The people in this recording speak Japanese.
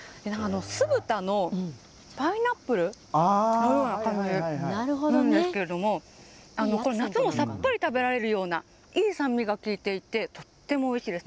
酢豚のパイナップルのような感じなんですけど夏もさっぱり食べられるようないい酸味が効いていてとってもおいしいです。